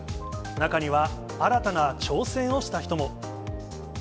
中には、新たな挑戦をした人も。